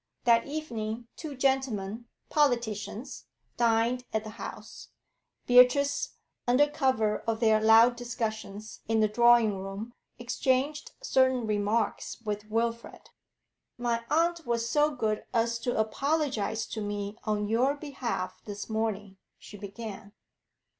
That evening two gentlemen, politicians, dined at the house; Beatrice, under cover of their loud discussions in the drawing room, exchanged certain remarks with Wilfrid. 'My aunt was so good as to apologise to me on your behalf this morning,' she began.